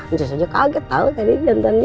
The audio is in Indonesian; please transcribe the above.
udah saja kaget tau kan ini gantanya